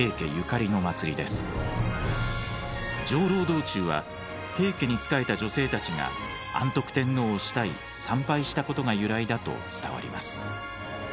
道中は平家に仕えた女性たちが安徳天皇を慕い参拝したことが由来だと伝わります。